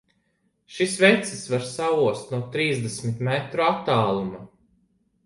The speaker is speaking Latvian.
Šis vecis var saost no trīsdesmit metru attāluma!